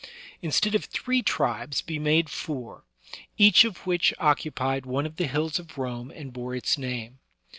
Instead of three tribes be made four, each of which occupied one of the hills of Rome and bore its name.